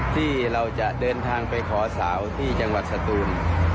ที่เราจะเดินทางไปขอสาวที่จังหวัดสตูน